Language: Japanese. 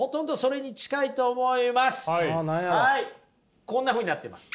はいこんなふうになってます。